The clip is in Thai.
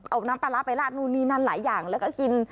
เอาน้ำปลาร้าไปลาดนู่นนี่นั่นหลายอย่างแล้วก็กิน